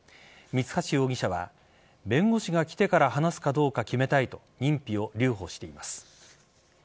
三橋容疑者は弁護士が来てから話すかどうか決めたいと認否を留保しています。